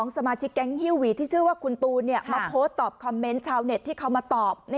สมาชิกแก๊งฮิวหวีที่ชื่อว่าคุณตูนมาโพสต์ตอบคอมเมนต์ชาวเน็ตที่เขามาตอบ